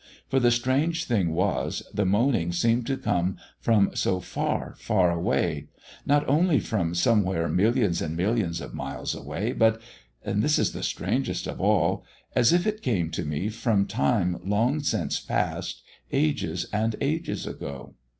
For the strange thing was, the moaning seemed to come from so far far away; not only from somewhere millions and millions of miles away, but this is the strangest of all as if it came to me from time long since past, ages and ages ago.